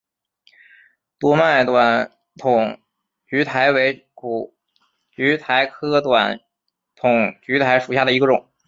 多脉短筒苣苔为苦苣苔科短筒苣苔属下的一个种。